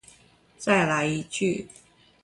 再來一句話